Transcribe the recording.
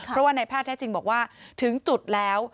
เพราะว่าในแพทย์แท้จริงบอกว่าถึงจุดแล้ว